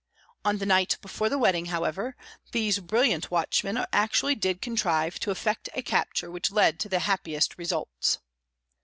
On the night before the wedding, however, these brilliant watchmen actually did contrive to effect a capture which led to the happiest results.